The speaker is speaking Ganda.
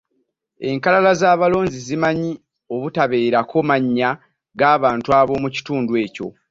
Enkalala z'abalonzi zimanyi obutabeerako mannya g'abantu ab'omukitundu ekyo.